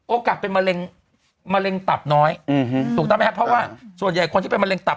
เป็นมะเร็งมะเร็งตับน้อยถูกต้องไหมครับเพราะว่าส่วนใหญ่คนที่เป็นมะเร็